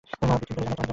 কি, ভিতরে যাবে না?